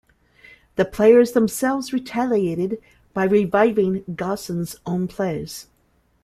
The players themselves retaliated by reviving Gosson's own plays.